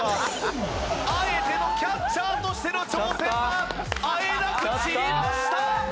あえてのキャッチャーとしての挑戦はあえなく散りました！